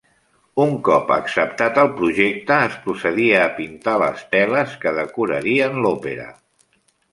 Un cop acceptat el projecte es procedia a pintar les teles que decorarien l'òpera.